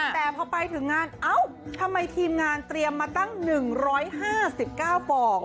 แต่พอไปถึงงานเอาทำไมทีมงานเตรียมมาตั้งหนึ่งร้อยห้าสิบเก้าฟอง